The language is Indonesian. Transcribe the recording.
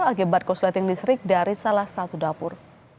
akibat kosleting listrik dari salah satu dapur